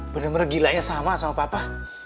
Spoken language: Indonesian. bener bener gilanya sama sama papa